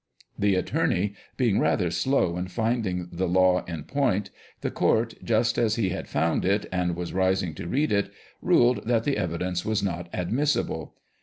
The attorney being rather slow in finding the law in point, the court, just as he had found it, and was rising to read it, ruled that the evidence was not admissible.